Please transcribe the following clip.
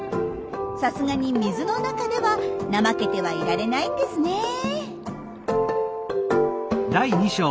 さすがに水の中では怠けてはいられないんですね。